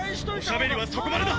おしゃべりはそこまでだ！